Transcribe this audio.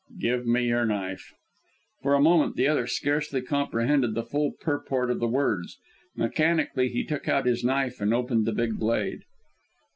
Give me your knife." For a moment, the other scarcely comprehended the full purport of the words. Mechanically he took out his knife, and opened the big blade.